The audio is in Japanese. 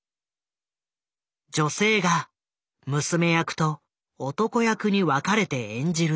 女性が娘役と男役に分かれて演じる宝塚。